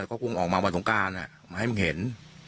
ก็คงออกมาวันตรงกล้านมาให้มันเห็น